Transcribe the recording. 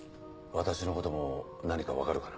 私のことも何か分かるかな？